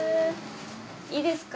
いいですか？